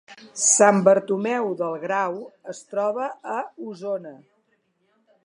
Sant Bartomeu del Grau es troba a Osona